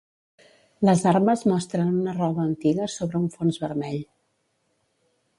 Les armes mostren una roda antiga sobre un fons vermell.